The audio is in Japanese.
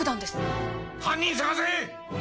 犯人捜せ！